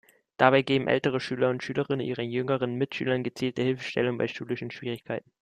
Dabei geben ältere Schüler und Schülerinnen ihren jüngeren Mitschülern gezielte Hilfestellung bei schulischen Schwierigkeiten.